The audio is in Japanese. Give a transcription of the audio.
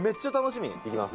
「いきます」